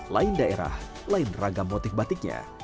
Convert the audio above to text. lain daerah lain ragam motif batiknya